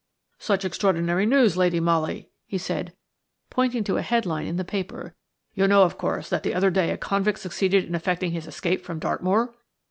"Such extraordinary news, Lady Molly," he said, pointing to a head line in the paper. "You know, of course, that the other day a convict succeeded in effecting his escape from Dartmoor?"